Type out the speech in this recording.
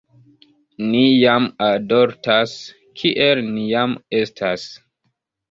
"Ni jam adoltas kiel ni jam estas."